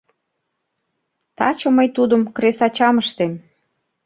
Таче мый тудым кресачам ыштем.